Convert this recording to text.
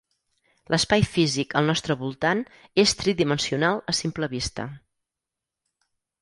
L'espai físic al nostre voltant és tridimensional a simple vista.